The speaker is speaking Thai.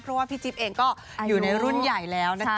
เพราะว่าพี่จิ๊บเองก็อยู่ในรุ่นใหญ่แล้วนะคะ